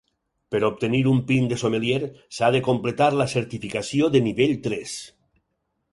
Per obtenir un PIN de sommelier, s'ha de completar la certificació de nivell tres.